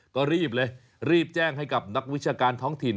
ก็รีบเลยรีบแจ้งให้กับนักวิชาการท้องถิ่น